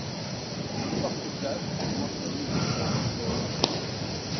Un fort couplage augmente le risque de bugs.